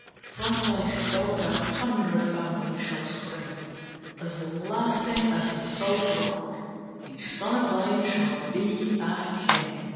"From thy stock A hundred families shall spring As lasting as the solid rock, Each son of thine shall be a king."